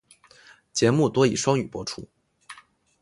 节目多以双语播出。